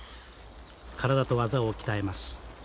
体と技を鍛えます